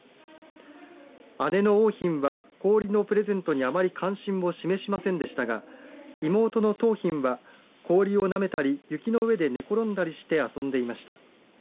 姉の桜浜は氷のプレゼントにあまり関心を示しませんでしたが妹の桃浜は氷をなめたり雪の上で寝転んだりして遊んでいました。